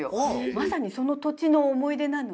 まさにその土地の思い出なので。